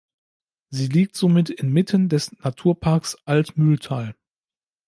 Sie liegt somit inmitten des Naturparks Altmühltal.